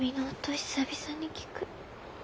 久々に聞く。